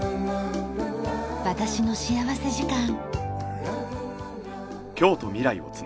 『私の幸福時間』。